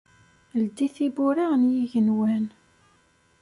Ildi tibbura n yigenwan.